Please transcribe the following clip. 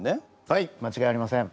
はいまちがいありません。